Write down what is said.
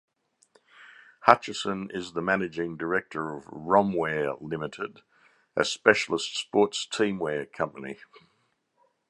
Hutchison is the Managing Director of Romwear Limited, a specialist sports teamwear company.